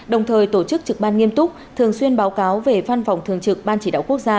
đồng thời tổ chức trực ban nghiêm túc thường xuyên báo cáo về văn phòng thường trực ban chỉ đạo quốc gia